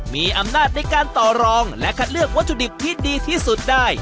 มีอำนาจในการต่อรองและคัดเลือกวัตถุดิบที่ดีที่สุดได้